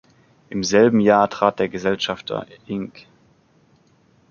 Im selben Jahr trat der Gesellschafter Ing.